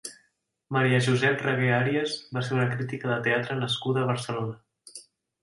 Maria Josep Ragué Arias va ser una crítica de teatre nascuda a Barcelona.